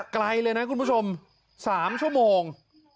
ไกลเลยนะคุณผู้ชม๓ชั่วโมง